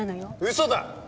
嘘だ！